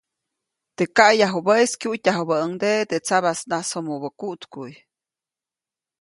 Teʼ kayajubäʼis kyujtyajubäʼuŋdeʼe teʼ tsabasnasomobä kuʼtkuʼy.